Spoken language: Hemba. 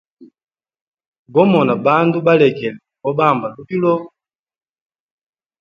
Gomona bandu balegele gobamba lubilo.